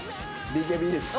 ＢＫＢです。